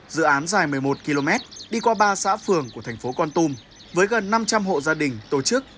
dự án dài một mươi một km đi qua ba xã phường của thành phố con tum với gần năm trăm linh hộ gia đình tổ chức